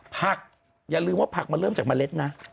อย่าลืมว่าผักมันเริ่มจากเมล็ดนะ